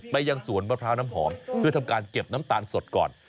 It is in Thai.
ยังสวนมะพร้าวน้ำหอมเพื่อทำการเก็บน้ำตาลสดก่อน